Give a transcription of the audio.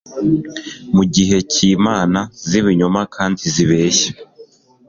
Mugihe cyimana zibinyoma kandi zibeshya